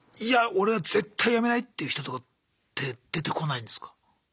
いや俺は絶対辞めないっていう人とか出てこないんですか？